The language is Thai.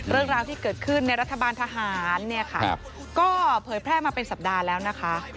เรื่องราวที่เกิดขึ้นในรัฐบาลทหารเนี่ยค่ะก็เผยแพร่มาเป็นสัปดาห์แล้วนะคะ